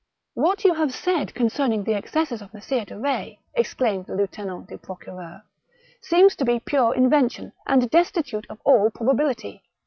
"What you have said concerning the excesses of Messire de Retz," exclaimed the lieutenant duprocureur, '* seems to be pure invention, and destitute of all prob ability.